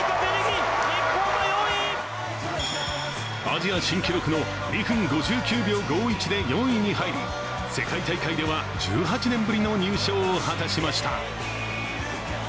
アジア新記録の２分５９秒５１で世界大会では１８年ぶりの入賞を果たしました。